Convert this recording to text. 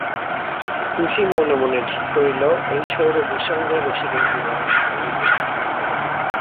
বংশী মনে মনে ঠিক করিল, এই সৌরভীর সঙ্গেই রসিকের বিবাহ দিতে হইবে।